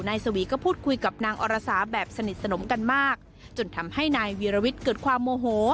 นายสวีก็พูดคุยกับนางอรสาแบบสนิทสนมกันมากจนทำให้นายวีรวิทย์เกิดความโมโห